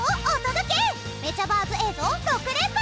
メチャバーズ映像６連発！